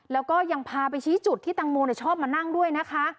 แล้วก็ยังพาไปชี้จุดที่ตังโมชอบมานั่งด้วยนะคะ